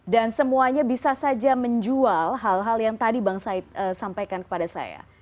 dan semuanya bisa saja menjual hal hal yang tadi bang said sampaikan kepada saya